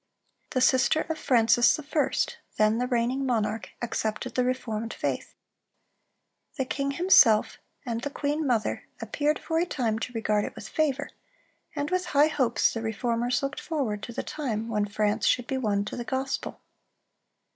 The sister of Francis I., then the reigning monarch, accepted the reformed faith. The king himself, and the queen mother, appeared for a time to regard it with favor, and with high hopes the Reformers looked forward to the time when France should be won to the gospel.